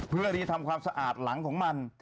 เพื่อที่ทำความสะอาดหลังของมัน